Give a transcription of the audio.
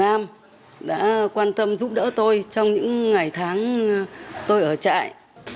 trại tạm giam đã quan tâm giúp đỡ tôi trong những ngày tháng tôi ở trại